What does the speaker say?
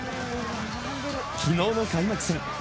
昨日の開幕戦。